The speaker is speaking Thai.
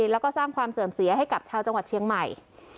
แล้วก็สร้างความเสื่อมเสียให้กับชาวจังหวัดเชียงใหม่